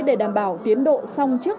để đảm bảo tiến độ xong trước